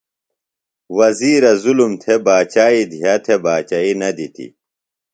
وزیرہ ظلم تھےۡ باچائی دیہہ تھےۡ باچئی نہ دِتیۡ۔